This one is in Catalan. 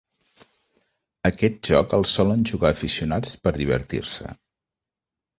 Aquest joc el solen jugar aficionats per divertir-se.